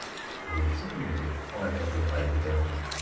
Il est inhumé en la cathédrale de Berlin.